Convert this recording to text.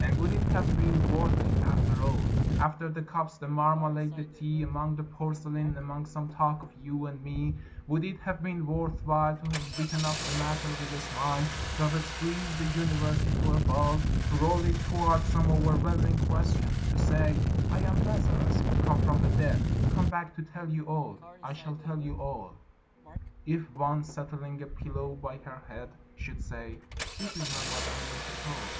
And would it have been worth it, after all, After the cups, the marmalade, the tea, Among the porcelain, among some talk of you and me, Would it have been worth while, To have bitten off the matter with a smile, To have squeezed the universe into a ball To roll it toward some overwhelming question, To say: "I am Lazarus, come from the dead, Come back to tell you all, I shall tell you all" If one, settling a pillow by her head, Should say, "That is not what I meant at all.